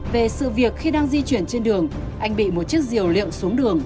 về sự việc khi đang di chuyển trên đường anh bị một chiếc diều liệu xuống đường